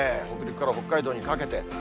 北陸から北海道にかけて。